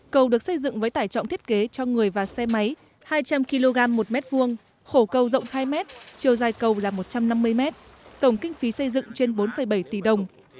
cầu được xây dựng với tải trọng thiết kế cho người và xe máy hai trăm linh kg một m hai khổ cầu rộng hai m chiều dài cầu là một trăm năm mươi m tổng kinh phí xây dựng trên bốn bảy tỷ đồng